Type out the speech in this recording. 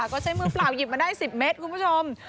ก็ใช้มือเปล่าหยิบมาได้๑๐เมตรคุณผู้ชม